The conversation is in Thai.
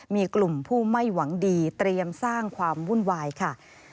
มีกลุ่มผู้ไม่หวังดีเตรียมสร้างความวุ่นวายค่ะ